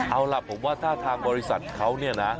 เอาล่ะผมว่าถ้าทางบริษัทเขาเนี่ยนะ